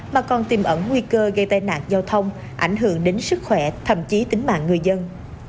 mà còn tìm ẩn nguy cơ gây tai nạn giao thông ảnh hưởng đến sức khỏe thậm chí tính mạng người dân